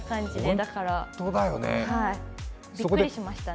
だからびっくりしましたね。